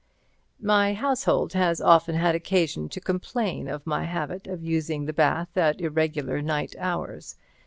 My household has often had occasion to complain of my habit of using the bath at irregular night hours.